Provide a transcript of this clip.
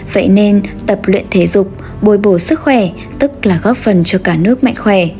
vậy nên tập luyện thể dục bồi bổ sức khỏe tức là góp phần cho cả nước mạnh khỏe